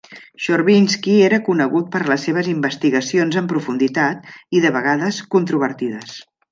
Chorvinsky era conegut per les seves investigacions en profunditat i, de vegades, controvertides.